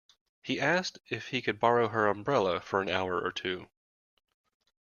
He asked if he could borrow her umbrella for an hour or two